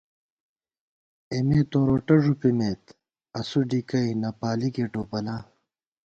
اېمے توروٹہ ݫُپِمېت ، اسُو ڈِکئی نہ پالِیکے ٹوپلا